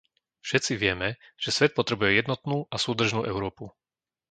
Všetci vieme, že svet potrebuje jednotnú a súdržnú Európu.